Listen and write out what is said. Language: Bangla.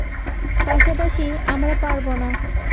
পাশাপাশি, আমরা পারবোনা।